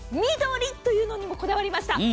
緑というのにもこだわりました。